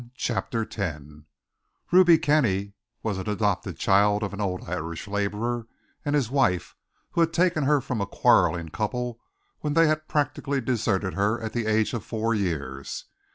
CHAPTER X Ruby Kenny was the adopted child of an old Irish laborer and his wife who had taken her from a quarrelling couple when they had practically deserted her at the age of four years.